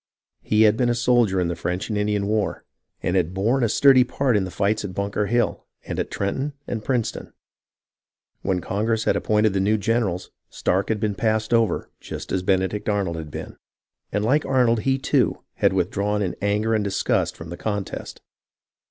He had been a soldier in the French and Indian War, and had borne a sturdy part in the fights at Bunker Hill and at Trenton and Princeton. When Con gress had appointed the new generals, Stark had been passed over just as Benedict Arnold had been, and like Arnold he, too, had withdrawn in anger and disgust from the contest.